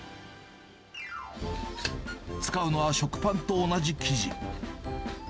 使うのは食パンと同じ生地。